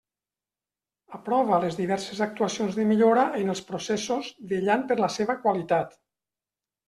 Aprova les diverses actuacions de millora en els processos vetllant per la seva qualitat.